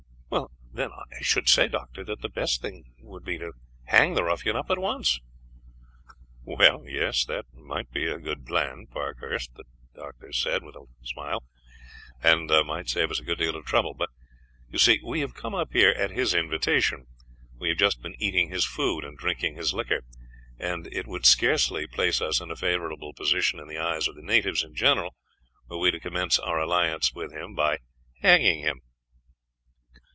"Then, I should say, Doctor, that the best thing would be to hang the ruffian up at once." "Well, yes, that might be a good plan, Parkhurst," the doctor said with a smile, "and might save us a good deal of trouble; but, you see, we have come up here at his invitation; we have just been eating his food and drinking his liquor, and it would scarcely place us in a favorable position in the eyes of the natives in general were we to commence our alliance with him by hanging him."